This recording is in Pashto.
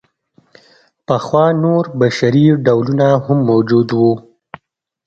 پخوا نور بشري ډولونه هم موجود وو.